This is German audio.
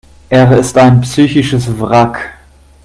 Er ist ein psychisches Wrack.